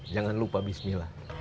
jangan lupa bismillah